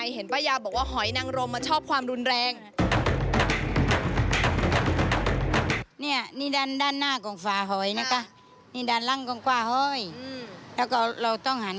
เห็นป้ายาบอกว่าหอยนางรมมาชอบความรุนแรง